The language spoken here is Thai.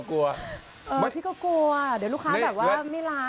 บางทีก็กลัวเดี๋ยวลูกค้าแบบว่าไม่รับ